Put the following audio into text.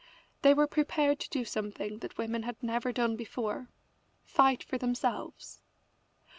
They were prepared to do something that women had never done before fight for themselves.